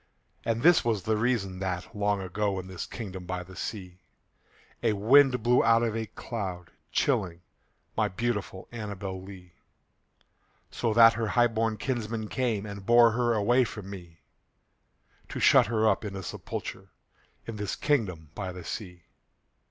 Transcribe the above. And this was the reason that, long ago, In this kingdom by the sea, A wind blew out of a cloud, chilling My beautiful ANNABEL LEE; So that her highborn kinsmen came And bore her away from me, To shut her up in a sepulchre In this kingdom by the sea.